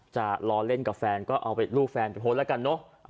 จะรอเล่นกับแฟนก็เอารูปแฟนไปโพสต์แล้วกันเนอะ